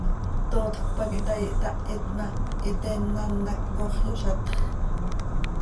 Tootjöc pac ihtaai, ihtahit ma, hiteen án hac coox yozatx.